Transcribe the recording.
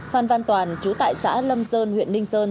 phan văn toàn chú tại xã lâm sơn huyện ninh sơn